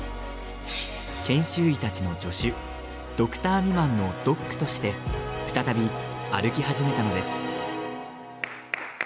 研修医たちの助手ドクター未満のＤＯＣとして再び歩き始めたのです。